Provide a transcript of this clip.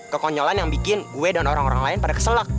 kekonyolan yang bikin gue dan orang orang lain pada keselak